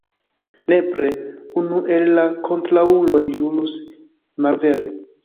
Nepre unu el la kontraŭuloj ĵurus malvere.